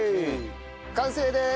完成です！